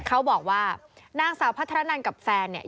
เขาบอกว่านางสาวพัทรนันกับแฟนเนี่ย